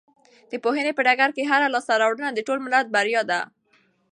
د پوهنې په ډګر کې هره لاسته راوړنه د ټول ملت بریا ده.